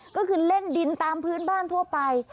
ก็คือเล่นดินตามพื้นบ้านทั่วไป